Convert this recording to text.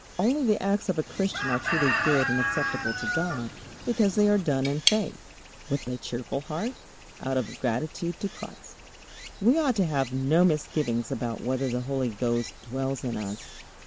Only the acts of a Christian are truly good and acceptable to God, because they are done in faith, with a cheerful heart, out of gratitude to Christ. We ought to have no misgivings about whether the Holy Ghost dwells in us.